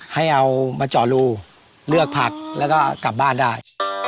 ให้เอามาเจาะรูเลือกผักแล้วก็กลับบ้านได้